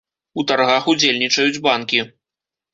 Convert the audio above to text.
У таргах удзельнічаюць банкі.